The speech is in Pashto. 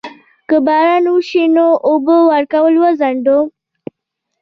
که باران وشي نو اوبه ورکول وځنډوم؟